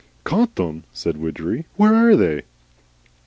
"Caught them!" said Widgery. "Where are they?"